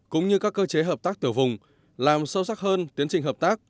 cũng như các cơ chế hợp tác tiểu vùng làm sâu sắc hơn tiến trình hợp tác